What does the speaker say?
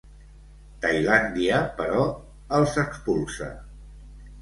Tailàndia, però, els expulsa.